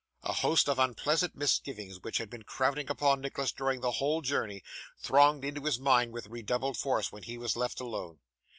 A host of unpleasant misgivings, which had been crowding upon Nicholas during the whole journey, thronged into his mind with redoubled force when he was left alone.